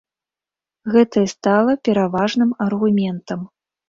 Гэта і стала пераважным аргументам.